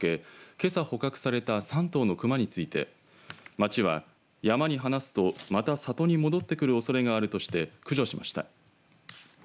けさ捕獲された３頭の熊について町は山に放すとまた里に戻ってくるおそれがあるとして駆除しました。